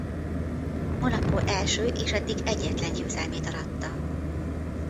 Monaco első és eddig egyetlen győzelmét aratta.